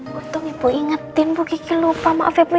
untung ibu ingetin bu kiki lupa maaf ya bu